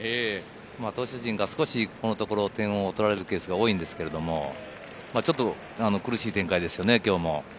投手陣が少しここのところ点を取られるケースが多いですけど、苦しい展開ですね、今日も。